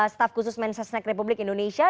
staf khusus mensesnek republik indonesia